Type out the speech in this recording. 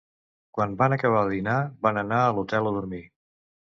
Quan van acabar de dinar van anar a l'hotel a dormir.